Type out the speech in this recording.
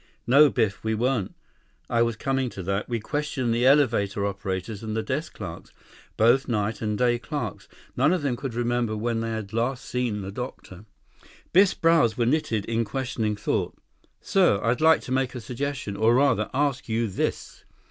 "No, Biff. We weren't. I was coming to that. We questioned the elevator operators and the desk clerks. Both night and day clerks. None of them could remember when they had last seen the doctor." Biff's brows were knitted in questioning thought. "Sir, I'd like to make a suggestion, or, rather, ask you this.